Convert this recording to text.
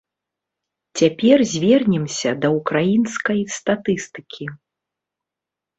Цяпер звернемся да ўкраінскай статыстыкі.